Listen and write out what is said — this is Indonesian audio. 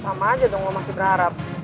lama aja dong lo masih berharap